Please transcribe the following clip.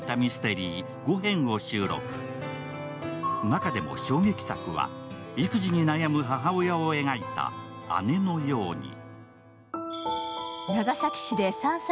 中でも衝撃作は、育児に悩む母親を描いた「姉のように」。